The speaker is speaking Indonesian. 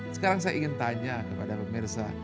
sekarang saya ingin tanya kepada pemirsa